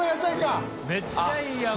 めっちゃいいやん！